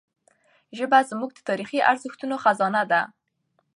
ژبه زموږ د تاریخي ارزښتونو خزانه ده.